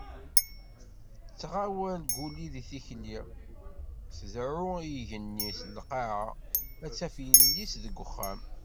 Tettɣawal Guli deg tikli, tdeɛɛu i yigenni d lqaɛa ad taf yelli-s deg uxxam.